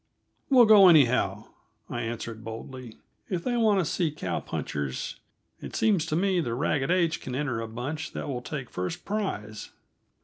"We'll go, anyhow," I answered boldly. "If they want to see cow punchers, it seems to me the Ragged H can enter a bunch that will take first prize."